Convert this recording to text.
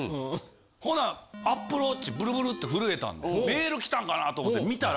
ほなアップルウォッチブルブルって震えたんでメール来たんかなと思って見たら。